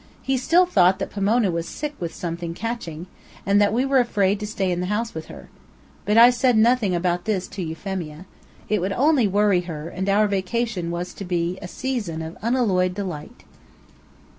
He still thought that Pomona was sick with something catching, and that we were afraid to stay in the house with her. But I said nothing about this to Euphemia. It would only worry her, and our vacation was to be a season of unalloyed delight.